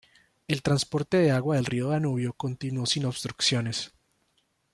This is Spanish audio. El transporte de agua del río Danubio continúo sin obstrucciones.